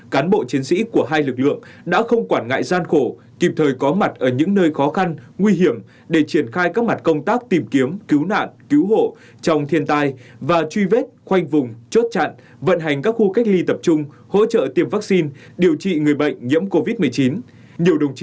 cán bộ chiến sĩ của hai lực lượng đã không quản ngại gian khổ kịp thời có mặt ở những nơi khó khăn nguy hiểm để triển khai các mặt công tác tìm kiếm cứu nạn cứu hộ trong thiên tai và truy vết khoanh vùng chốt chặn vận hành các khu cách ly tập trung hỗ trợ tiêm vaccine điều trị người bệnh nhiễm covid một mươi chín